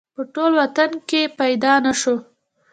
په ټول وطن کې پیدا نه شو